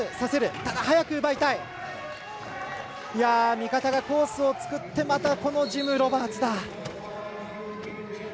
味方がコースを作ってまたジム・ロバーツだ。